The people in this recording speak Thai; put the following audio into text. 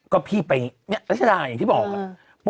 ก็พี่ไปนี่แหละใช่ไหมอย่างที่บอก